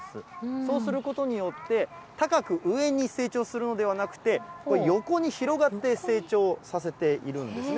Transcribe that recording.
そうすることによって、高く上に成長するのではなくて、横に広がって成長させているんですね。